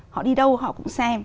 họ đi đâu họ cũng xem